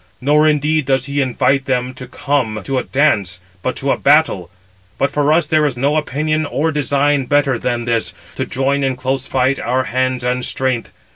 Nor indeed does he invite them to come to a dance, but to battle. But for us there is no opinion or design better than this, to join in close fight our hands and strength.